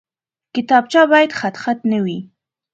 کتابچه باید خطخط نه وي